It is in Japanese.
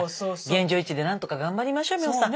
現状維持で何とか頑張りましょう美穂さん。